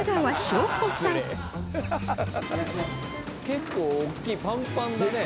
「結構大きいパンパンだね」